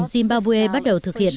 zimbabwe bắt đầu thực hiện